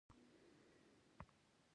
ډرامه باید د ښځو درناوی وکړي